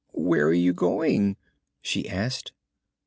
"Where are you going?" she asked.